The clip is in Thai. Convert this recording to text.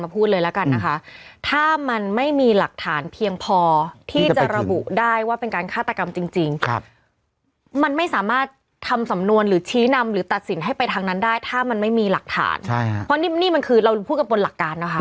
เพราะนี่มันคือเราพูดกับบนหลักการนะคะ